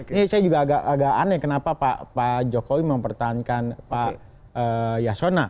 ini saya juga agak aneh kenapa pak jokowi mempertahankan pak yasona